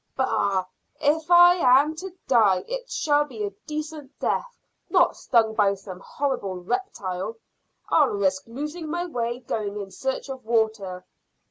"Bah! If I am to die, it shall be a decent death not stung by some horrible reptile. I'll risk losing my way going in search of water."